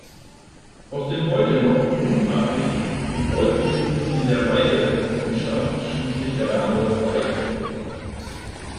Aus dem heute noch mundartlich gebräuchlichen "In der Weide" entstand schließlich der Name Weide.